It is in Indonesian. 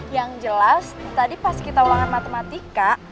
yang jelas tadi pas kita ulangan matematika